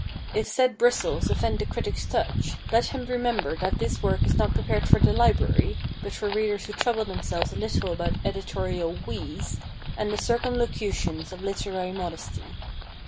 If said bristles offend the critic's touch, let him remember that this work is not prepared for the library, but for readers who trouble themselves little about editorial "we's" and the circumlocutions of literary modesty.